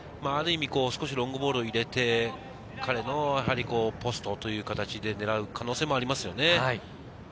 ロングボールを入れて、彼のポストという形で狙う可能性もありますよね。